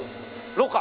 ろ過？